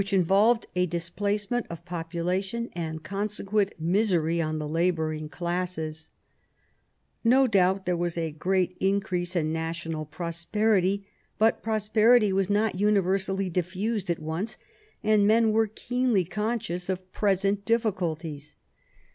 involved a displacement of population, and consequent misery on the labouring classe& No doubt there was ' a great increase in national prosperity ; but prosperity was not universally diffused at once, and men were keenly conscious of present difficulties.